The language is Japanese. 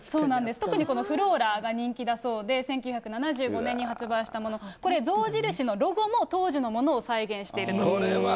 特にこのフローラが人気だそうで、１９７５年に発売したもの、これ、象印のロゴも当時のものを再現しているということなんです。